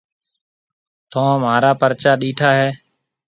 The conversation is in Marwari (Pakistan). ٿون مھارا پرچا ڏيٺا ھيََََ۔